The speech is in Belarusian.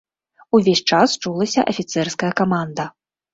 Увесь час чулася афіцэрская каманда.